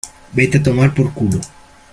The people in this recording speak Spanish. vete a tomar por culo.